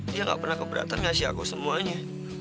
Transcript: dia gak pernah keberatan ngasih aku semuanya